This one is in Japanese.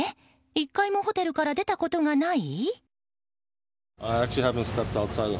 １回もホテルから出たことがない？